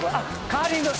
カーリング。